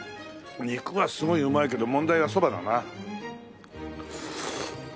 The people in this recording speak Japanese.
肉はすごいうまいけど問題はそばだな。